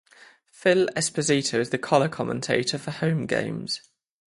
Phil Esposito is the color commentator for home games.